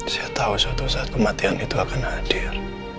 saya tahu suatu saat kematian itu akan hadir